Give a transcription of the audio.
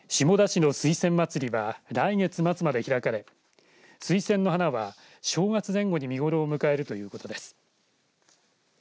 下田市の水仙まつりは来月末まで開かれ水仙の花は正月前後に見頃を迎えるということです。